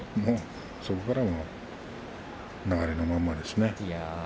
そこからもう流れのままですね。